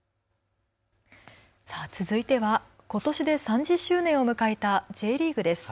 続いてはことしで３０周年を迎えたＪリーグです。